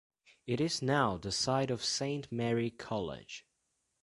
It is now the site of Saint Mary's College.